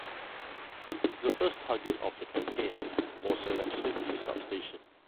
The first target of the campaign was an electricity sub-station.